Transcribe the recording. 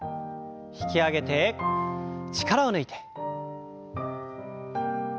引き上げて力を抜いて。